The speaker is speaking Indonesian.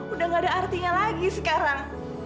udah gak ada artinya lagi sekarang